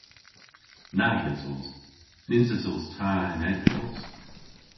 Nag esos. Nyns esos ta y'n eglos.